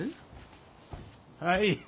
はい。